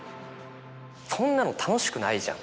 こんなの楽しくないじゃん。